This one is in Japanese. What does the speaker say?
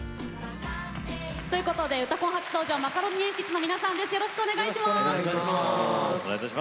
ということで「うたコン」初登場マカロニえんぴつの皆さんにお越しいただきました。